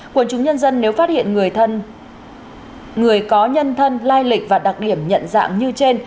quân chúng nhân dân nếu phát hiện người có nhân thân lai lịch và đặc điểm nhận dạng như trên